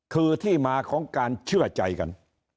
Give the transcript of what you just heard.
คือที่มาของการเชื่อใจกัน